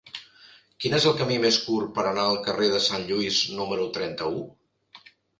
Quin és el camí més curt per anar al carrer de Sant Lluís número trenta-u?